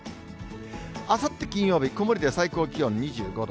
あさって金曜日、曇りで最高気温２５度。